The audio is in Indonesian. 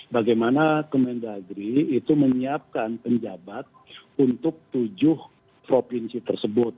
bagaimana kemendagri itu menyiapkan penjabat untuk tujuh provinsi tersebut